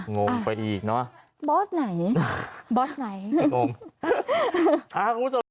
งงไปอีกเนอะบอสไหนบอสไหนไม่งง